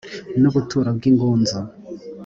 n ubuturo bw ingunzu